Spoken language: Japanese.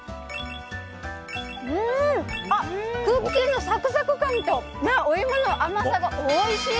クッキーのサクサク感とお芋の甘さがおいしい。